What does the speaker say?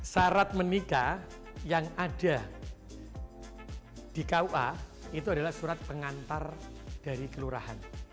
syarat menikah yang ada di kua itu adalah surat pengantar dari kelurahan